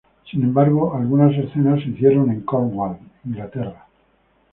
Sin embargo, algunas escenas se hicieron en Cornwall, Inglaterra.